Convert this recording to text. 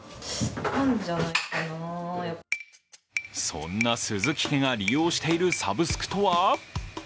そんな鈴木家が利用しているサブスクとは？